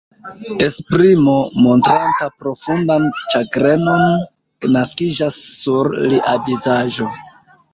Esprimo, montranta profundan ĉagrenon, naskiĝas sur lia vizaĝo.